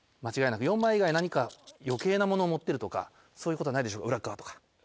４枚以外何か余計なものを持ってるとかそういうことはないでしょうか裏っ側とか。